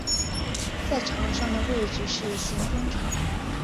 在场上的位置是型中场。